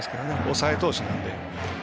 抑え投手なので。